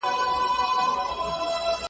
په تور خلوت کي له هانه ګوښه .